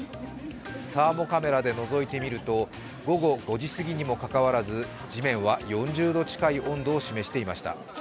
サーモカメラでのぞいてみると午後５時過ぎにもかかわらず、地面は４０度近い温度を示していました。